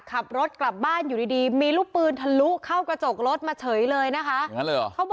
ขับรถกลับบ้านอยู่ดีมีลูกปืนทะลุเข้ากระจกรถมาเฉยเลยนะคะ